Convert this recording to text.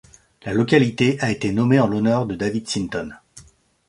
La localité a été nommée en l’honneur de David Sinton.